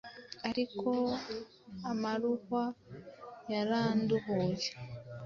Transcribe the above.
Ariko amaruhwa yaranduhuye